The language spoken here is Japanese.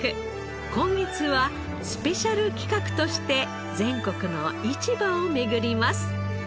今月はスペシャル企画として全国の市場を巡ります。